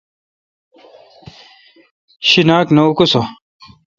شیناک نہ اکوسہ۔